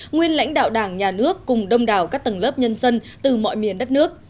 nguyên lãnh đạo đảng nhà nước cùng đông đảo các tầng lớp nhân dân từ mọi miền đất nước